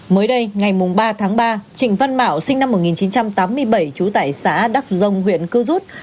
mới đây ngày ba tháng ba trịnh văn mạo sinh năm một nghìn chín trăm tám mươi bảy chú tải xã đắc dông huyện cư rút